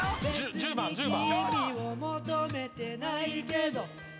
１０番１０番。